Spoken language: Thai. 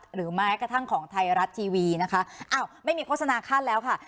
หรือแม้กระทั่งของไทยรัฐทีวีนะคะอ้าวไม่มีโฆษณาคาดแล้วค่ะ